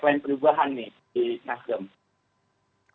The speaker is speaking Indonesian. perubahan nih di nasjid